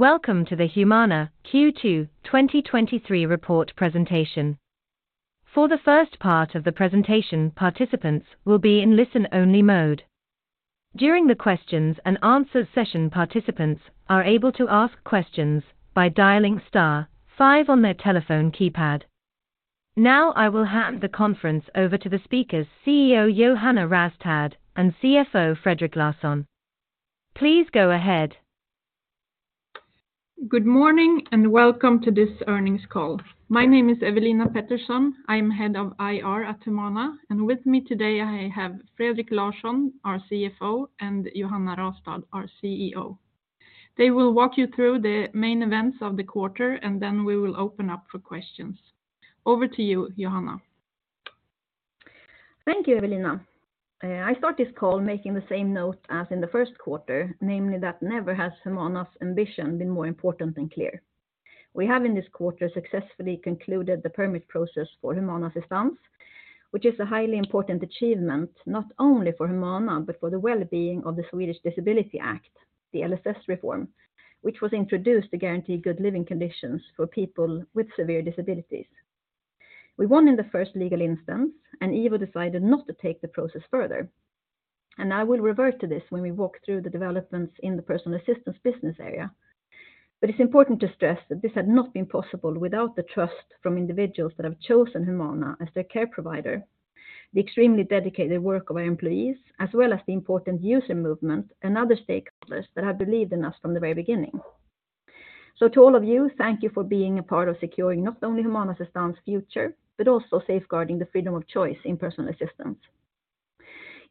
Welcome to the Humana Q2 2023 report presentation. For the first part of the presentation, participants will be in listen-only mode. During the questions and answers session, participants are able to ask questions by dialing star five on their telephone keypad. I will hand the conference over to the speakers, CEO Johanna Rastad and CFO Fredrik Larsson. Please go ahead. Good morning, and welcome to this earnings call. My name is Ewelina Pettersson. I'm Head of IR at Humana, and with me today, I have Fredrik Larsson, our CFO, and Johanna Rastad, our CEO. They will walk you through the main events of the quarter, and then we will open up for questions. Over to you, Johanna. Thank you, Ewelina. I start this call making the same note as in the first quarter, namely, that never has Humana's ambition been more important than clear. We have, in this quarter, successfully concluded the permit process for Humana Assistans, which is a highly important achievement, not only for Humana, but for the well-being of the Swedish Disability Act, the LSS reform, which was introduced to guarantee good living conditions for people with severe disabilities. We won in the first legal instance, IVO decided not to take the process further. I will revert to this when we walk through the developments in the Personal Assistance business area. It's important to stress that this had not been possible without the trust from individuals that have chosen Humana as their care provider, the extremely dedicated work of our employees, as well as the important user movement and other stakeholders that have believed in us from the very beginning. To all of you, thank you for being a part of securing not only Humana Assistans' future, but also safeguarding the freedom of choice in Personal Assistance.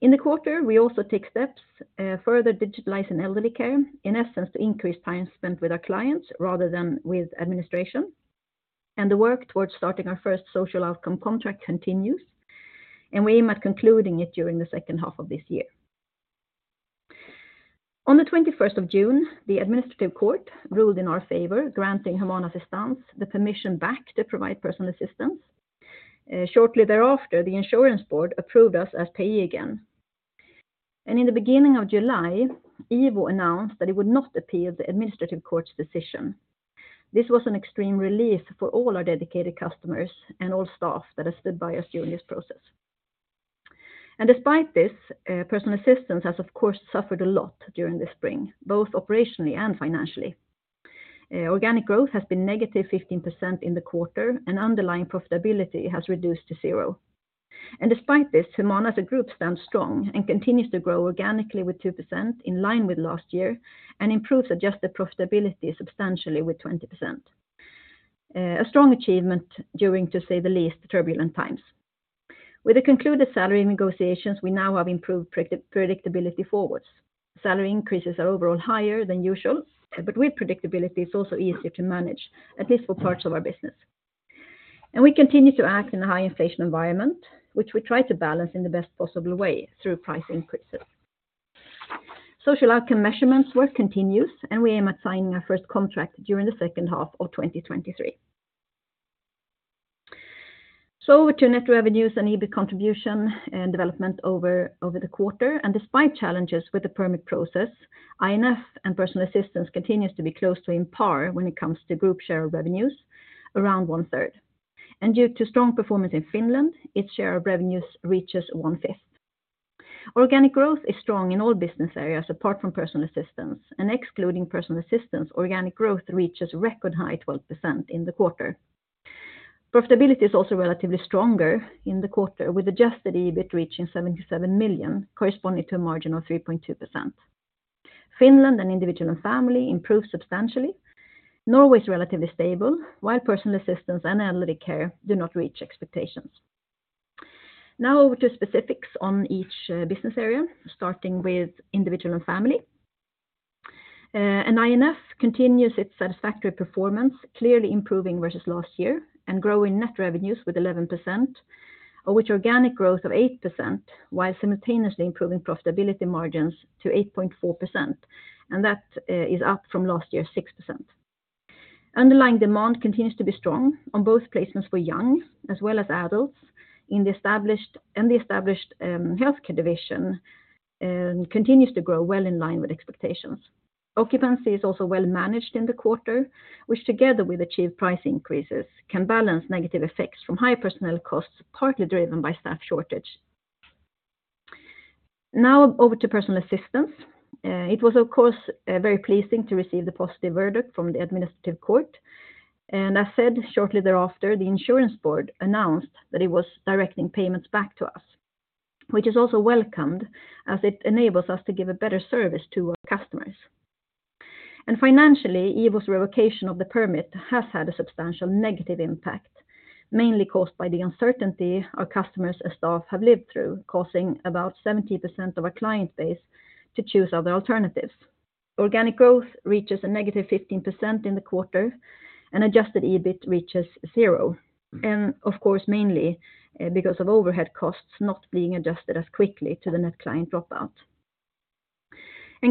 In the quarter, we also take steps to further digitalize in Elderly Care, in essence, to increase time spent with our clients rather than with administration, and the work towards starting our first social outcomes contract continues, and we aim at concluding it during the H2 of this year. On the 21st of June, the administrative court ruled in our favor, granting Humana Assistans the permission back to provide personal assistance. Shortly thereafter, the insurance board approved us as payee again. In the beginning of July, IVO announced that it would not appeal the administrative court's decision. This was an extreme relief for all our dedicated customers and all staff that have stood by us during this process. Despite this, Personal Assistance has, of course, suffered a lot during the spring, both operationally and financially. Organic growth has been -15% in the quarter, and underlying profitability has reduced to zero. Despite this, Humana, as a group, stands strong and continues to grow organically with 2% in line with last year and improves adjusted profitability substantially with 20%. A strong achievement during, to say the least, turbulent times. With the concluded salary negotiations, we now have improved predictability forwards. Salary increases are overall higher than usual, but with predictability, it's also easier to manage, at least for parts of our business. We continue to act in a high inflation environment, which we try to balance in the best possible way through price increases. social outcomes measurements work continues, and we aim at signing our first contract during the H2 of 2023. Over to net revenues and EBIT contribution and development over the quarter. Despite challenges with the permit process, INF and Personal Assistance continues to be close to in par when it comes to group share of revenues, around 1/3. Due to strong performance in Finland, its share of revenues reaches 1/5. Organic growth is strong in all business areas, apart from Personal Assistance. Excluding Personal Assistance, organic growth reaches record high 12% in the quarter. Profitability is also relatively stronger in the quarter, with adjusted EBIT reaching 77 million, corresponding to a margin of 3.2%. Finland and Individual and Family improve substantially. Norway is relatively stable, while Personal Assistance and analytic care do not reach expectations. Now to specifics on each business area, starting with Individual and Family. INF continues its satisfactory performance, clearly improving versus last year and growing net revenues with 11%, of which organic growth of 8%, while simultaneously improving profitability margins to 8.4%, and that is up from last year's 6%. Underlying demand continues to be strong on both placements for young as well as adults. The established healthcare division continues to grow well in line with expectations. Occupancy is also well managed in the quarter, which, together with achieved price increases, can balance negative effects from high personnel costs, partly driven by staff shortage. Over to Personal Assistance. It was, of course, very pleasing to receive the positive verdict from the administrative court. As said, shortly thereafter, the insurance board announced that it was directing payments back to us, which is also welcomed as it enables us to give a better service to our customers. Financially, IVO's revocation of the permit has had a substantial negative impact, mainly caused by the uncertainty our customers and staff have lived through, causing about 70% of our client base to choose other alternatives. Organic growth reaches a -15% in the quarter, and adjusted EBIT reaches zero, and of course, mainly, because of overhead costs not being adjusted as quickly to the net client dropout.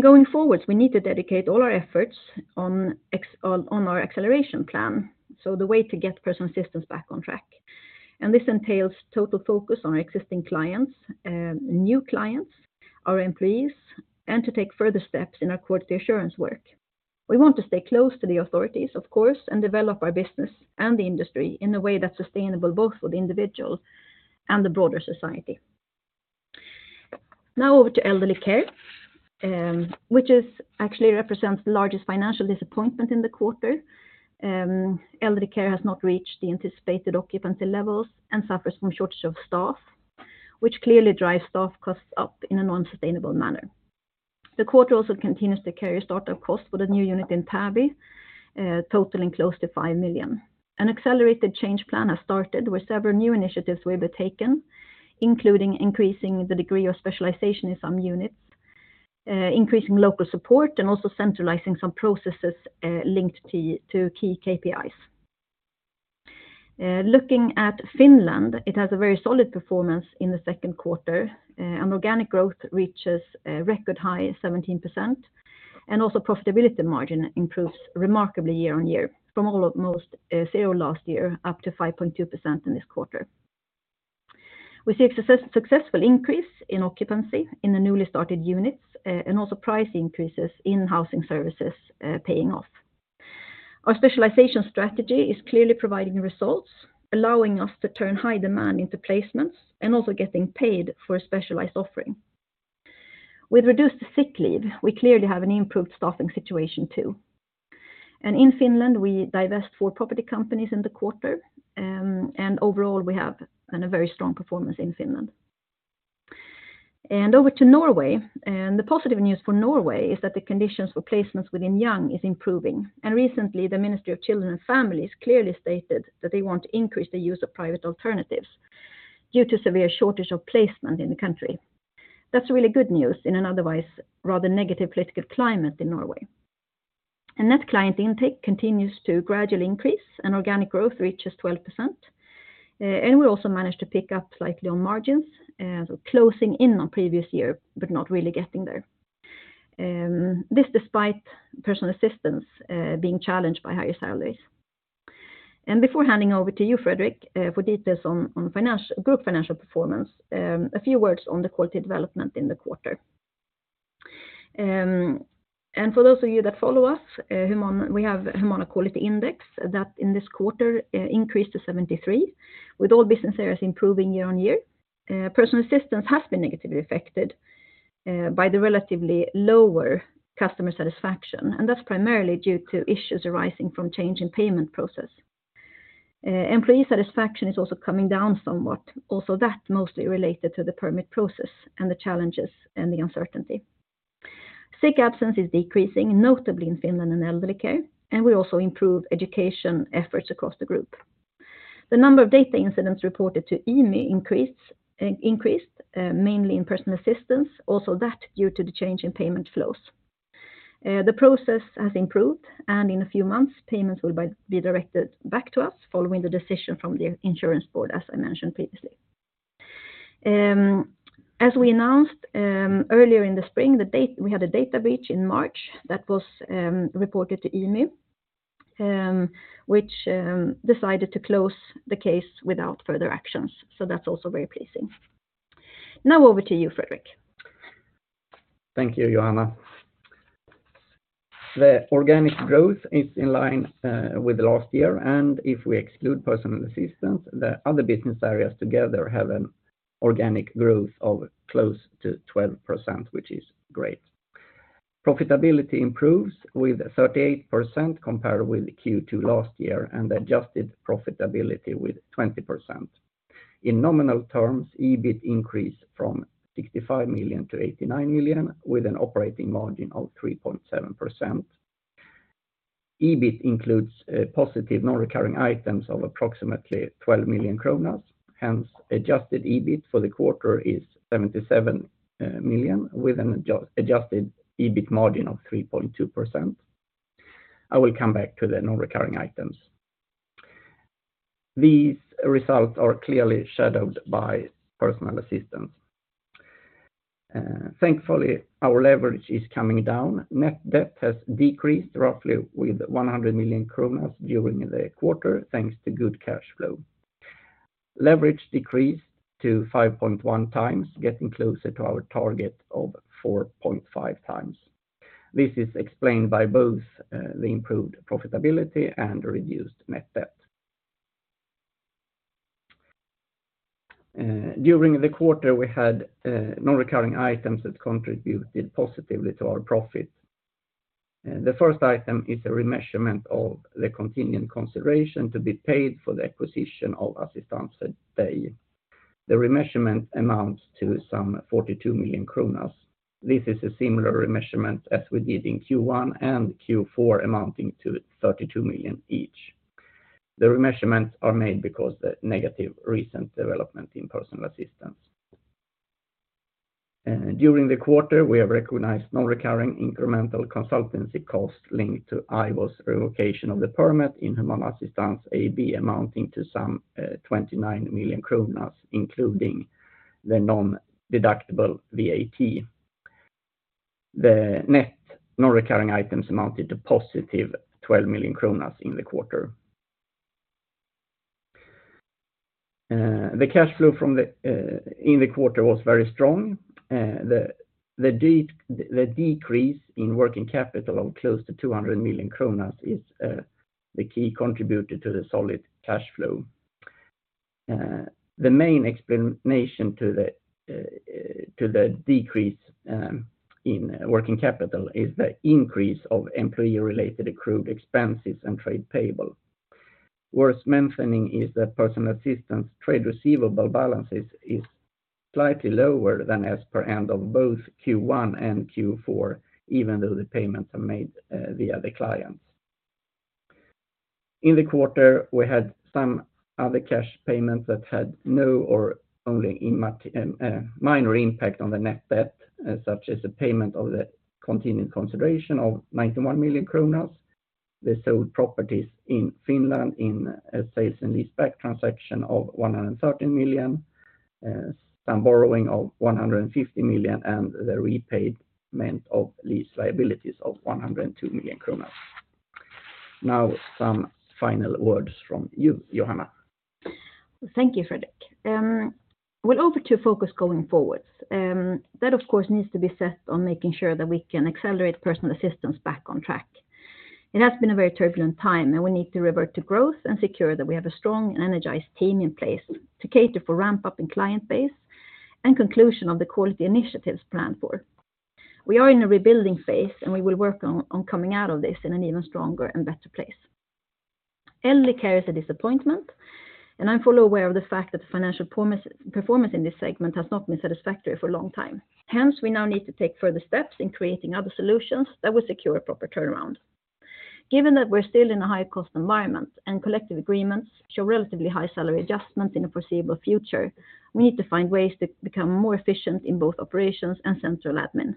Going forwards, we need to dedicate all our efforts on our acceleration plan, so the way to get personal assistance back on track. This entails total focus on our existing clients, new clients, our employees, and to take further steps in our quality assurance work. We want to stay close to the authorities, of course, and develop our business and the industry in a way that's sustainable, both for the individual and the broader society. Over to elderly care, which is actually represents the largest financial disappointment in the quarter. Elderly Care has not reached the anticipated occupancy levels and suffers from shortage of staff, which clearly drives staff costs up in a non-sustainable manner. The quarter also continues to carry a start-up cost for the new unit in Täby, totaling close to 5 million. An accelerated change plan has started, with several new initiatives we have taken, including increasing the degree of specialization in some units, increasing local support, and also centralizing some processes linked to key KPIs. Looking at Finland, it has a very solid performance in the Q2, and organic growth reaches a record high 17%, and also profitability margin improves remarkably year-on-year, from almost 0% last year up to 5.2% in this quarter. We see a successful increase in occupancy in the newly started units, and also price increases in housing services, paying off. Our specialization strategy is clearly providing results, allowing us to turn high demand into placements and also getting paid for a specialized offering. With reduced sick leave, we clearly have an improved staffing situation, too. In Finland, we divest four property companies in the quarter, and overall, we have a very strong performance in Finland. Over to Norway, the positive news for Norway is that the conditions for placements within young is improving, and recently, the Ministry of Children and Families clearly stated that they want to increase the use of private alternatives due to severe shortage of placement in the country. That's really good news in an otherwise rather negative political climate in Norway. Net client intake continues to gradually increase, and organic growth reaches 12%, and we also managed to pick up slightly on margins, so closing in on previous year, but not really getting there. This despite Personal Assistance being challenged by higher salaries. Before handing over to you, Fredrik, for details on group financial performance, a few words on the quality development in the quarter. For those of you that follow us, Humana, we have Humana Quality Index, that in this quarter increased to 73, with all business areas improving year-over-year. Personal Assistance has been negatively affected by the relatively lower customer satisfaction, and that's primarily due to issues arising from change in payment process. Employee satisfaction is also coming down somewhat, also that mostly related to the permit process and the challenges and the uncertainty. Sick absence is decreasing, notably in Finland and Elderly Care, and we also improve education efforts across the group. The number of data incidents reported to IMY increased mainly in Personal Assistance, also that due to the change in payment flows. The process has improved, and in a few months, payments will be directed back to us following the decision from the insurance board, as I mentioned previously. As we announced earlier in the spring, we had a data breach in March that was reported to IMY, which decided to close the case without further actions, so that's also very pleasing. Now over to you, Fredrik. Thank you, Johanna. The organic growth is in line with last year. If we exclude Personal Assistance, the other business areas together have an organic growth of close to 12%, which is great. Profitability improves with 38% compared with Q2 last year. Adjusted profitability with 20%. In nominal terms, EBIT increased from 65 million-89 million, with an operating margin of 3.7%. EBIT includes a positive non-recurring items of approximately 12 million kronor, hence adjusted EBIT for the quarter is 77 million, with an adjusted EBIT margin of 3.2%. I will come back to the non-recurring items. These results are clearly shadowed by Personal Assistance. Thankfully, our leverage is coming down. Net debt has decreased roughly with 100 million kronor during the quarter, thanks to good cash flow. Leverage decreased to 5.1x, getting closer to our target of 4.5x. This is explained by both the improved profitability and reduced net debt. During the quarter, we had non-recurring items that contributed positively to our profit. The first item is a remeasurement of the continuing consideration to be paid for the acquisition of Assistans for dig. The remeasurement amounts to some 42 million kronor. This is a similar remeasurement as we did in Q1 and Q4, amounting to 32 million each. The remeasurements are made because the negative recent development in personal assistance. During the quarter, we have recognized non-recurring incremental consultancy costs linked to IVO's revocation of the permit in Humana Assistans AB, amounting to some 29 million kronor, including the non-deductible VAT. The net non-recurring items amounted to +12 million kronor in the quarter. The cash flow from the in the quarter was very strong, the decrease in working capital of close to 200 million kronor is the key contributor to the solid cash flow. The main explanation to the to the decrease in working capital is the increase of employee-related accrued expenses and trade payable. Worth mentioning is that Personal Assistance, trade receivable balances is slightly lower than as per end of both Q1 and Q4, even though the payments are made via the clients. In the quarter, we had some other cash payments that had no or only in much minor impact on the net debt, such as the payment of the continued consideration of 91 million kronor. They sold properties in Finland in a sale and leaseback transaction of 113 million, some borrowing of 150 million, and the repayment of lease liabilities of 102 million kronor. Now, some final words from you, Johanna. Thank you, Fredrik. Over to focus going forward. That, of course, needs to be set on making sure that we can accelerate Personal Assistance back on track. It has been a very turbulent time, and we need to revert to growth and secure that we have a strong and energized team in place to cater for ramp-up in client base and conclusion of the quality initiatives planned for. We are in a rebuilding phase, and we will work on coming out of this in an even stronger and better place. Elderly Care is a disappointment, and I'm fully aware of the fact that the financial performance in this segment has not been satisfactory for a long time. Hence, we now need to take further steps in creating other solutions that will secure a proper turnaround. Given that we're still in a high-cost environment, and collective agreements show relatively high salary adjustments in the foreseeable future, we need to find ways to become more efficient in both operations and central admin.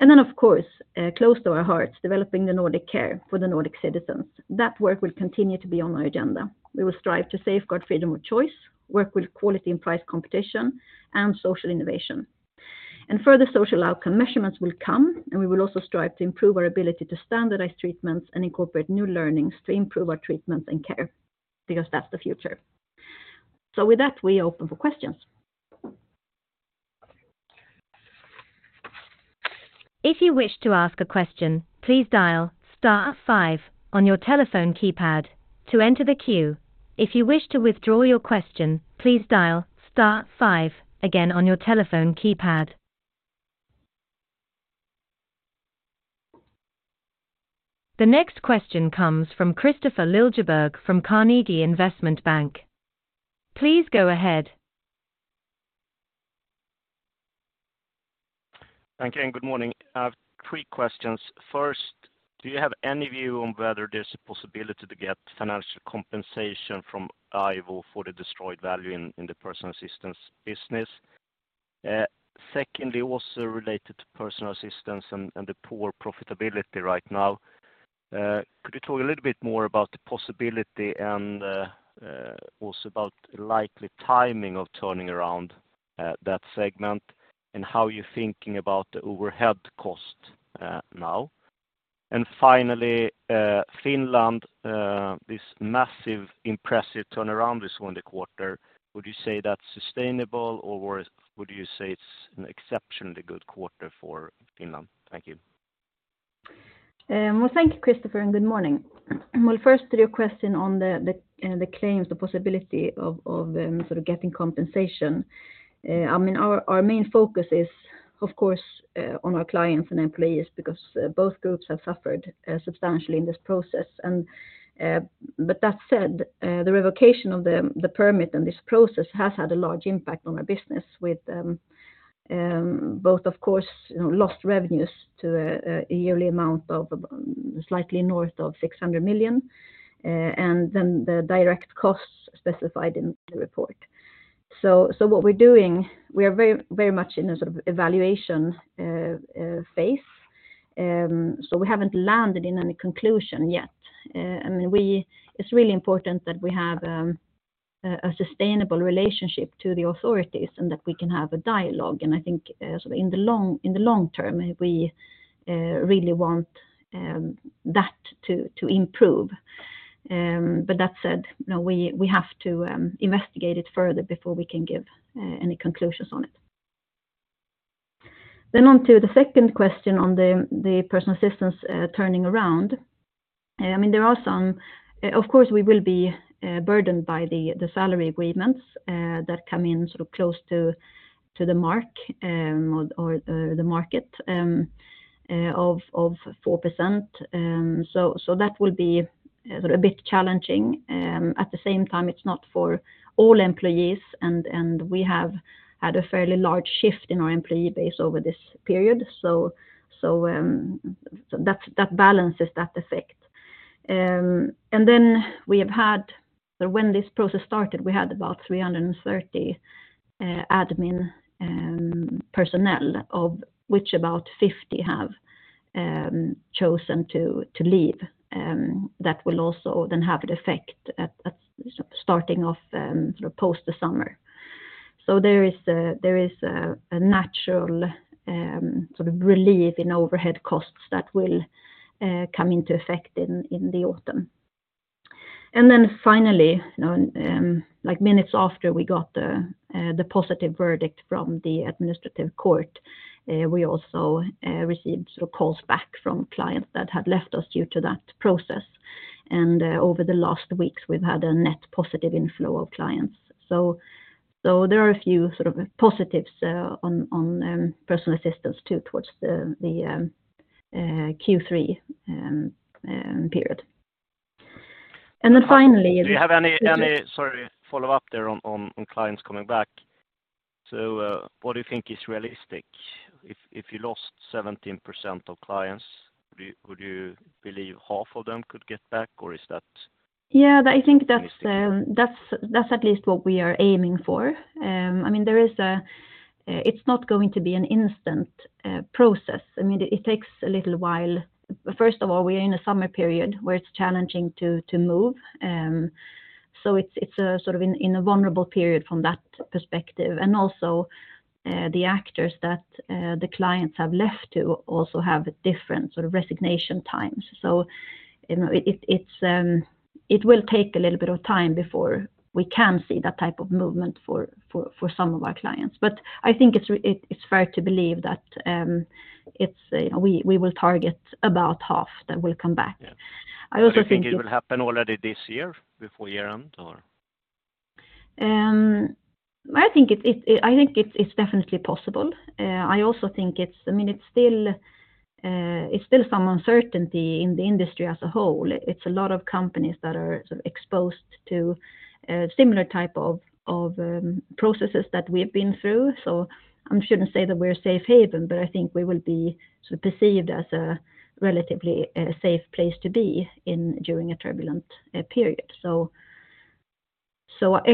Then, of course, close to our hearts, developing the Nordic care for the Nordic citizens. That work will continue to be on our agenda. We will strive to safeguard freedom of choice, work with quality and price competition, and social innovation. Further social outcomes measurements will come, and we will also strive to improve our ability to standardize treatments and incorporate new learnings to improve our treatments and care, because that's the future. With that, we open for questions. If you wish to ask a question, please dial star five on your telephone keypad to enter the queue. If you wish to withdraw your question, please dial star five again on your telephone keypad. The next question comes from Kristofer Liljeberg, from Carnegie Investment Bank. Please go ahead. Thank you, and good morning. I have three questions. First, do you have any view on whether there's a possibility to get financial compensation from IVO for the destroyed value in the Personal Assistance business? Secondly, also related to Personal Assistance and the poor profitability right now. Could you talk a little bit more about the possibility and also about the likely timing of turning around that segment, and how you're thinking about the overhead cost now? Finally, Finland, this massive impressive turnaround this quarter, would you say that's sustainable, or would you say it's an exceptionally good quarter for Finland? Thank you. Well, thank you, Kristofer, and good morning. Well, first, to your question on the claims, the possibility of, sort of getting compensation. I mean, our main focus is, of course, on our clients and employees, because both groups have suffered substantially in this process. But that said, the revocation of the permit and this process has had a large impact on our business with, both, of course, you know, lost revenues to a yearly amount of slightly north of 600 million, and then the direct costs specified in the report. What we're doing, we are very much in a sort of evaluation phase, so we haven't landed in any conclusion yet. I mean, It's really important that we have a sustainable relationship to the authorities and that we can have a dialogue. I think, so in the long term, we really want that to improve. That said, you know, we have to investigate it further before we can give any conclusions on it. On to the second question on the Personal Assistance turning around. I mean, there are some... Of course, we will be burdened by the salary agreements that come in sort of close to the mark or the market of 4%. That will be sort of a bit challenging. At the same time, it's not for all employees, and we have had a fairly large shift in our employee base over this period. That balances that effect. We have had. When this process started, we had about 330 admin personnel, of which about 50 admin personnel have chosen to leave. That will also then have an effect at starting off post the summer. There is a natural sort of relief in overhead costs that will come into effect in the autumn. Finally, you know, like minutes after we got the positive verdict from the administrative court, we also received sort of calls back from clients that had left us due to that process. Over the last weeks, we've had a net positive inflow of clients. There are a few sort of positives on Personal Assistance too, towards the Q3 period. Do you have any, sorry, follow-up there on clients coming back? What do you think is realistic? If you lost 17% of clients, would you believe 1/2 of them could get back, or is that? Yeah, I think that's at least what we are aiming for. I mean, there is a... It's not going to be an instant process. I mean, it takes a little while. First of all, we are in a summer period where it's challenging to move. It's a sort of in a vulnerable period from that perspective, and also, the actors that the clients have left to also have different sort of resignation times. You know, it's, it will take a little bit of time before we can see that type of movement for some of our clients. I think it's fair to believe that, it's, you know, we will target about 1/2 that will come back. Yeah. I also think- Do you think it will happen already this year, before year-end, or? I think it's definitely possible. I also think it's, I mean, it's still some uncertainty in the industry as a whole. It's a lot of companies that are sort of exposed to similar type of processes that we've been through. I shouldn't say that we're a safe haven, but I think we will be sort of perceived as a relatively safe place to be in during a turbulent period. I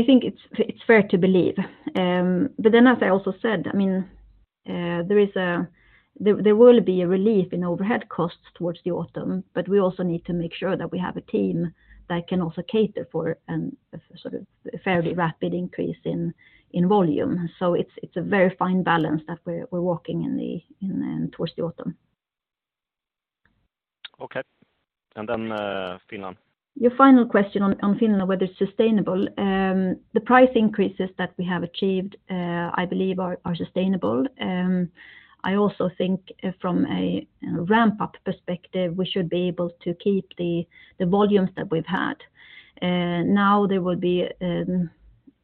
think it's fair to believe. As I also said, I mean, there will be a relief in overhead costs towards the autumn, but we also need to make sure that we have a team that can also cater for a sort of fairly rapid increase in volume. It's a very fine balance that we're walking in the towards the autumn. Okay. Finland. Your final question on Finland, whether it's sustainable. The price increases that we have achieved, I believe are sustainable. I also think from a ramp-up perspective, we should be able to keep the volumes that we've had. There will be,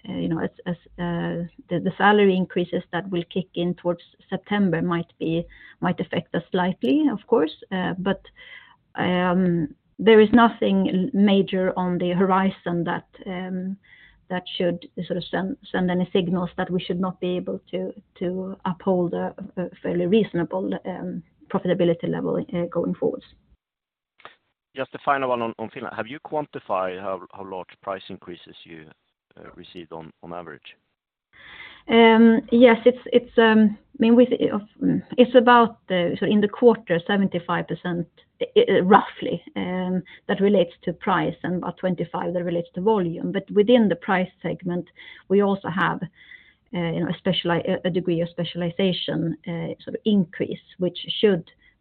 you know, as the salary increases that will kick in towards September might affect us slightly, of course, but there is nothing major on the horizon that should sort of send any signals that we should not be able to uphold a fairly reasonable profitability level going forwards. Just a final one on Finland. Have you quantified how large price increases you received on average? Yes, it's, I mean, we, it's about the in the quarter, 75% roughly, that relates to price and about 25% that relates to volume. Within the price segment, we also have, you know, a degree of specialization, sort of increase.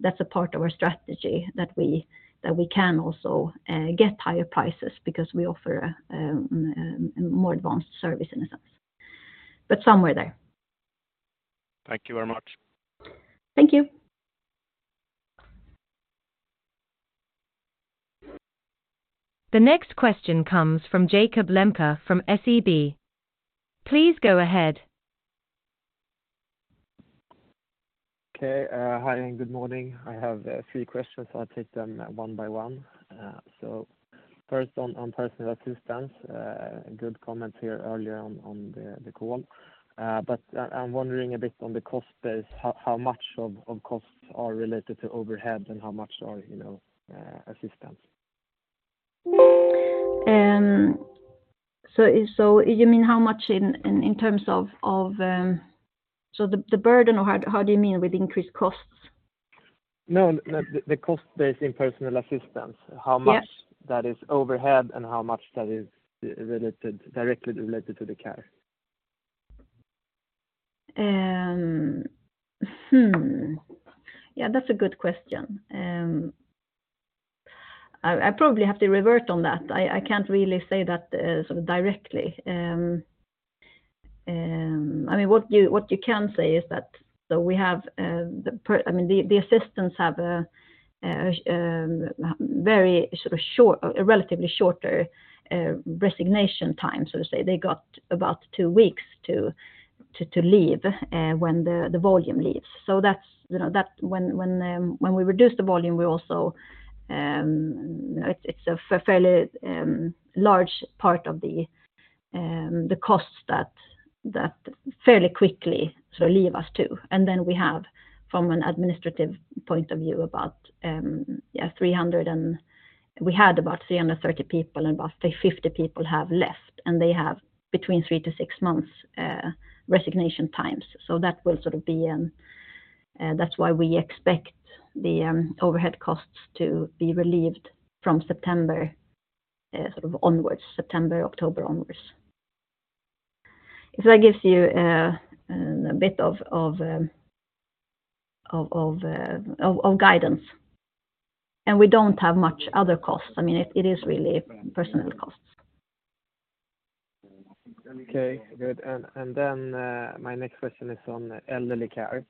That's a part of our strategy that we can also get higher prices because we offer a more advanced service in a sense, but somewhere there. Thank you very much. Thank you. The next question comes from Jakob Lembke from SEB. Please go ahead. Okay. Hi, and good morning. I have three questions. I'll take them one by one. First on Personal Assistance, good comments here earlier on the call. I'm wondering a bit on the cost base, how much of costs are related to overhead and how much are, you know, assistance? The burden, or how do you mean with increased costs? No, the cost based in Personal Assistance. Yeah. How much that is overhead and how much that is related, directly related to the care? Yeah, that's a good question. I probably have to revert on that. I can't really say that sort of directly. I mean, what you, what you can say is that, so we have the I mean, the assistants have a very sort of short, a relatively shorter, resignation time, so to say. They got about two weeks to leave, when the volume leaves. That's, you know, that's when we reduce the volume, we also, you know, it's a fairly large part of the costs that fairly quickly sort of leave us to. Then we have, from an administrative point of view, about, yeah, 300 and... We had about 330 people, and about 50 people have left, and they have between three months-six months, resignation times. That will sort of be, that's why we expect the overhead costs to be relieved from September, sort of onwards, September, October onwards. If that gives you a bit of guidance, and we don't have much other costs. I mean, it is really personal costs. Okay, good. My next question is on Elderly Care.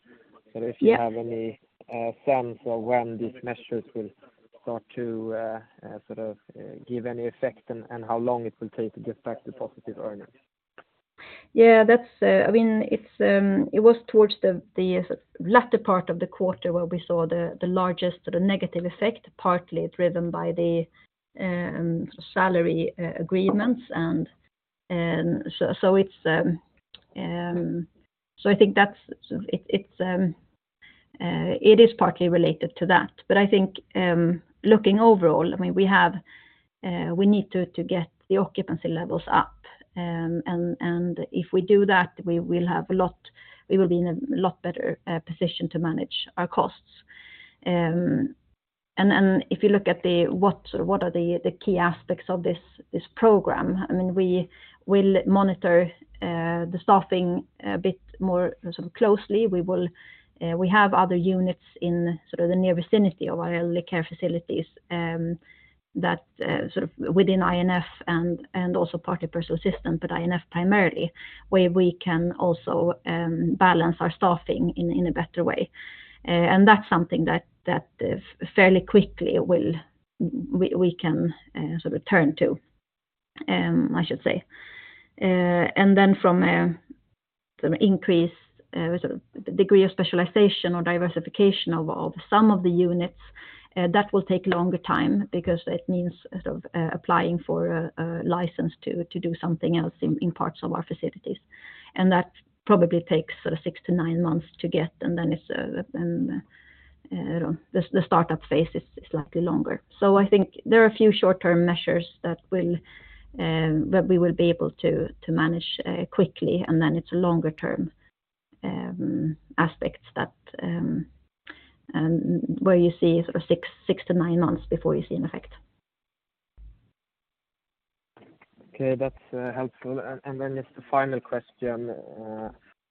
Yes. If you have any sense of when these measures will start to sort of give any effect, and how long it will take to get back to positive earnings? Yeah, that's. I mean, it's, it was towards the latter part of the quarter where we saw the largest sort of negative effect, partly driven by the salary agreements, and so it's, so I think that's, it's, it is partly related to that. But I think, looking overall, I mean, we have, we need to get the occupancy levels up. And if we do that, we will be in a lot better position to manage our costs. And if you look at the, what are the key aspects of this program, I mean, we will monitor the staffing a bit more sort of closely. We will, we have other units in sort of the near vicinity of our Elderly Care facilities, that sort of within INF and also Personal Assistance, but INF primarily, where we can also balance our staffing in a better way. That's something that fairly quickly will, we can sort of turn to, I should say. From some increase with the degree of specialization or diversification of some of the units, that will take longer time because it means, sort of, applying for a license to do something else in parts of our facilities. That probably takes sort of six months-nine months to get, and then it's the startup phase is slightly longer. I think there are a few short-term measures that will that we will be able to manage quickly, it's a longer-term aspects that where you see sort of six months-nine months before you see an effect. Okay, that's helpful. Just a final question,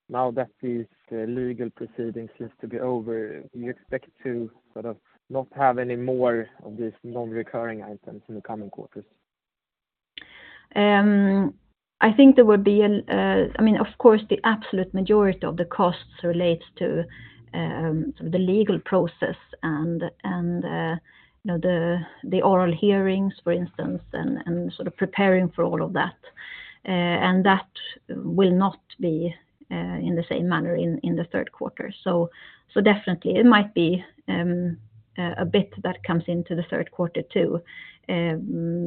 now that these legal proceedings seems to be over, do you expect to sort of not have any more of these non-recurring items in the coming quarters? I think there would be an, of course, the absolute majority of the costs relates to the legal process and, you know, the oral hearings, for instance, and preparing for all of that. That will not be in the same manner in the Q3. Definitely, it might be a bit that comes into the Q3, too,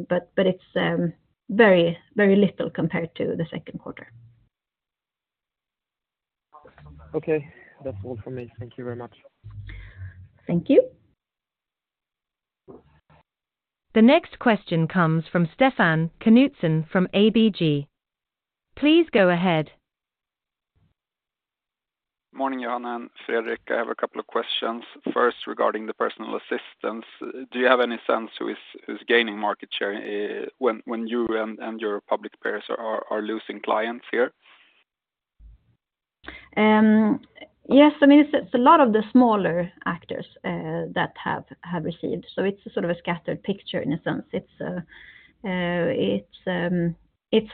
but it's very, very little compared to the Q2. Okay. That's all for me. Thank you very much. Thank you. The next question comes from Stefan Knutsson from ABG. Please go ahead. Morning, Johanna and Fredrik. I have a couple of questions. First, regarding the Personal Assistance, do you have any sense who is gaining market share when you and your public peers are losing clients here? Yes, I mean, it's a lot of the smaller actors that have received. It's a sort of a scattered picture in a sense. It's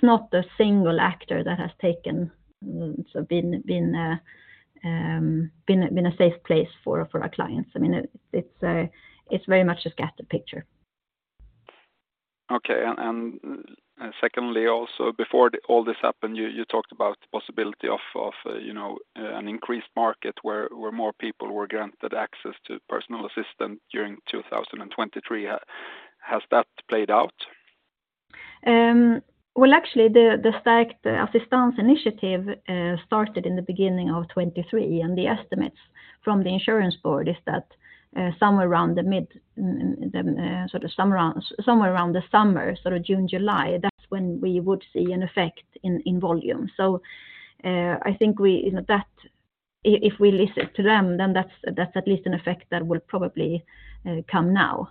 not a single actor that has taken, sort of been a safe place for our clients. I mean, it's very much a scattered picture. Okay. Secondly, also, before all this happened, you talked about the possibility of, you know, an increased market where more people were granted access to personal assistant during 2023. Has that played out? Well, actually, the Stärkt Assistans initiative started in the beginning of 2023, and the estimates from the insurance board is that somewhere around the mid, sort of somewhere around the summer, sort of June, July, that's when we would see an effect in volume. I think we, you know, that if we listen to them, then that's at least an effect that will probably come now.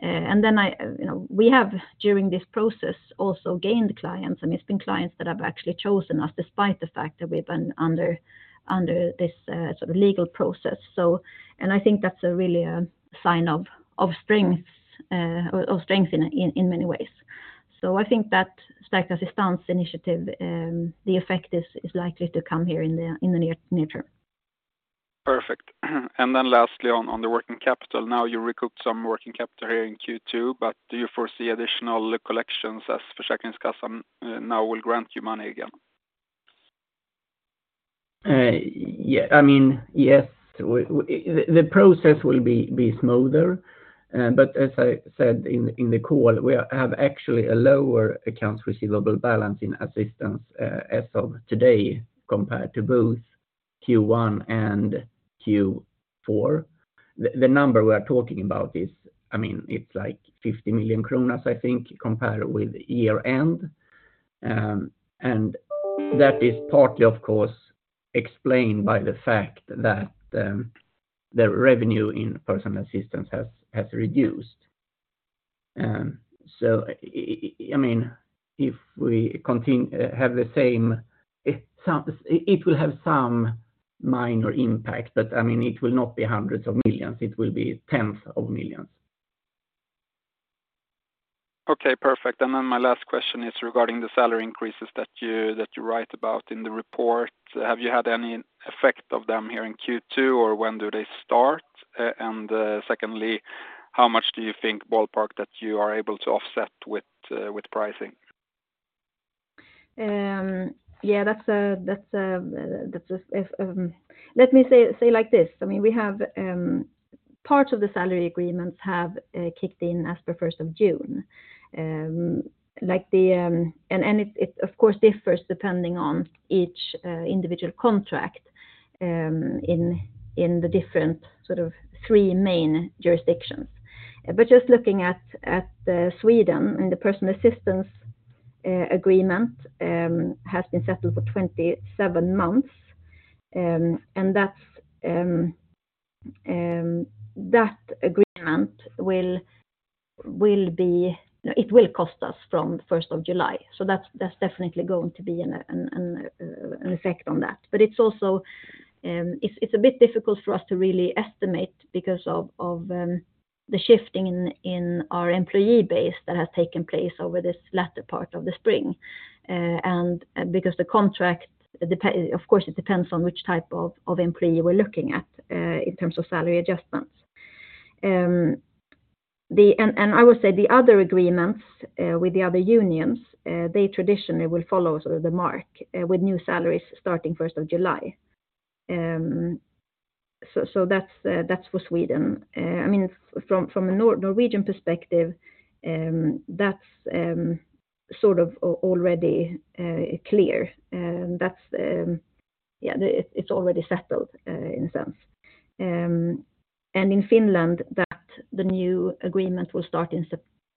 Then I, you know, we have, during this process, also gained clients, and it's been clients that have actually chosen us despite the fact that we've been under this sort of legal process. I think that's a really sign of strength in many ways. I think that Stärkt Assistans initiative, the effect is likely to come here in the near term. Perfect. Then lastly, on the working capital, now you recouped some working capital here in Q2, but do you foresee additional collections as Försäkringskassan now will grant you money again? I mean, yes, the process will be smoother. As I said in the call, we have actually a lower accounts receivable balance in Personal Assistance as of today, compared to both Q1 and Q4. The number we are talking about is, I mean, it's like 50 million kronor, I think, compared with year-end.... and that is partly, of course, explained by the fact that, the revenue in Personal Assistance has reduced. I mean, if we have the same, it will have some minor impact, but, I mean, it will not be SEK hundreds of millions, it will be SEK tens of millions. Okay, perfect. My last question is regarding the salary increases that you, that you write about in the report. Have you had any effect of them here in Q2, or when do they start? Secondly, how much do you think ballpark that you are able to offset with pricing? Let me say like this: I mean, we have parts of the salary agreements have kicked in as per June 1st. It, of course, differs depending on each individual contract in the different sort of three main jurisdictions. Just looking at the Sweden and the Personal Assistance agreement has been settled for 27 months. That agreement will cost us from July 1st, that's definitely going to be an effect on that. It's also, it's a bit difficult for us to really estimate because of the shifting in our employee base that has taken place over this latter part of the spring. Because the contract, of course, it depends on which type of employee we're looking at in terms of salary adjustments. And I would say the other agreements with the other unions, they traditionally will follow sort of the mark with new salaries starting July 1st. So that's for Sweden. I mean, from a Norwegian perspective, that's sort of already clear. That's, yeah, it's already settled in a sense. In Finland, that the new agreement will start in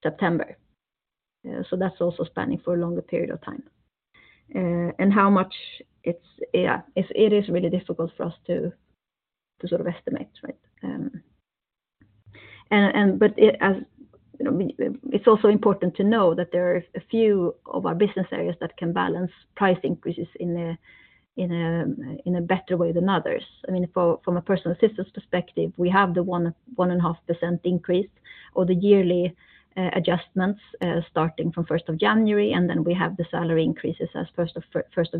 September. That's also spanning for a longer period of time. How much it is really difficult for us to sort of estimate, right? It, as, you know, it's also important to know that there are a few of our business areas that can balance price increases in a better way than others. I mean, from a Personal Assistance perspective, we have the 1.5% increase, or the yearly adjustments, starting from January 1st, and then we have the salary increases as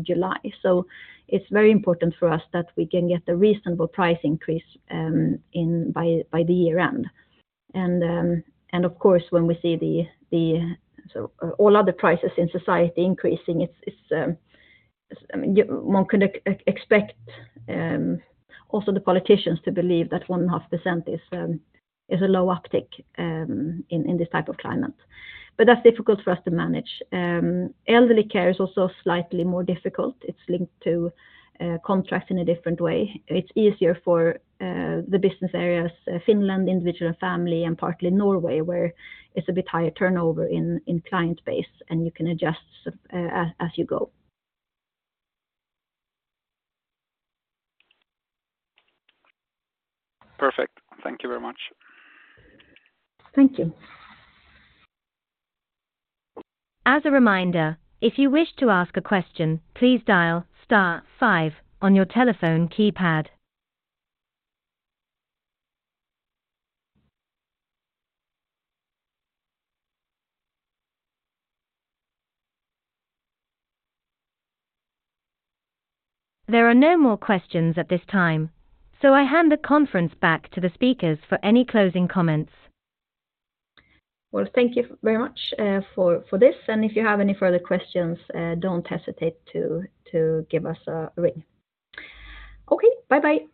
July 1st. It's very important for us that we can get a reasonable price increase by the year end. Of course, when we see the so all other prices in society increasing, it's I mean, one could expect also the politicians to believe that 1.5% is a low uptick in this type of climate. That's difficult for us to manage. Elderly Care is also slightly more difficult. It's linked to contracts in a different way. It's easier for the business areas, Finland, Individual and Family, and partly Norway, where it's a bit higher turnover in client base, and you can adjust as you go. Perfect. Thank you very much. Thank you. As a reminder, if you wish to ask a question, please dial star five on your telephone keypad. There are no more questions at this time. I hand the conference back to the speakers for any closing comments. Well, thank you very much for this. If you have any further questions, don't hesitate to give us a ring. Okay, bye-bye.